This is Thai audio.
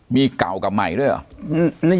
มีเก่ากับใหม่ด้วยเหรอ